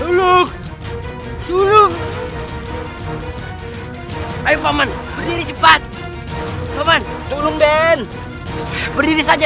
hidup juga seperti saya memerlukan sisanya